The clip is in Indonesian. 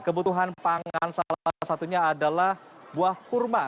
kebutuhan pangan salah satunya adalah buah kurma